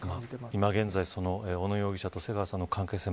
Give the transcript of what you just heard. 今現在、小野容疑者と瀬川さんの関係性